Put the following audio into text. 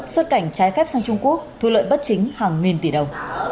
xuất cảnh trái phép sang trung quốc thu lợi bất chính hàng nghìn tỷ đồng